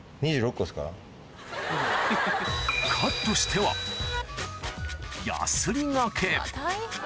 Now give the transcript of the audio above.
カットしてはやすり掛け